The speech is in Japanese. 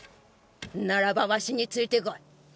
ならばワシについてこい。